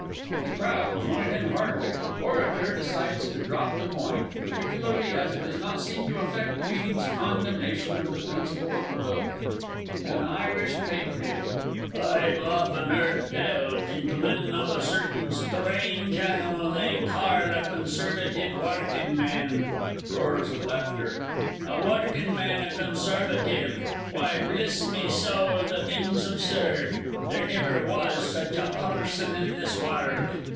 [The CROWD join in heartily; ORATOR _decides to drop the point, particularly as it does not seem to affect the Meeting's condemnation of the principle of the Bill_. AN IRISH PATRIOT. I've often harrd tell, Gintlemen, of a certain stra ange animal they carl a "Conservative Warkin Man" (Roars of laughter). A Warkin Man a Conservative! Why, bliss me sowl, the thing's absurd! There niver was such a purrson in this Warld.